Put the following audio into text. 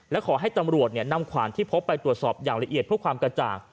และขอให้ตำรวจนำขวานที่พบไปตรวจสอบอย่างละเอียดเพื่อความกระจ่าง